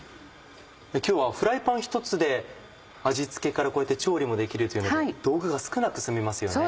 今日はフライパンひとつで味付けからこうやって調理もできるというので道具が少なく済みますよね。